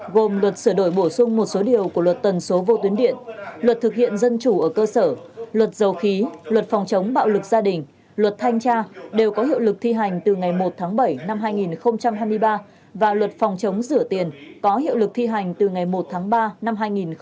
gồm luật sửa đổi bổ sung một số điều của luật tần số vô tuyến điện luật thực hiện dân chủ ở cơ sở luật dầu khí luật phòng chống bạo lực gia đình luật thanh tra đều có hiệu lực thi hành từ ngày một tháng bảy năm hai nghìn hai mươi ba và luật phòng chống rửa tiền có hiệu lực thi hành từ ngày một tháng ba năm hai nghìn hai mươi